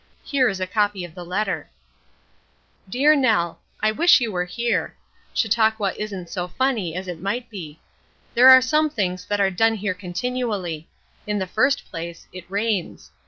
Here is a copy of the letter: "DEAR NEL: I wish you were here. Chautauqua isn't so funny as it might be. There are some things that are done here continually. In the first place, it rains.